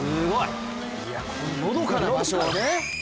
この、のどかな場所をね。